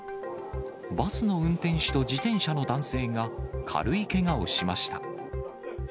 バスの運転手と自転車の男性が、軽いけがをしました。